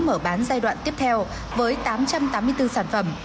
mở bán giai đoạn tiếp theo với tám trăm tám mươi bốn sản phẩm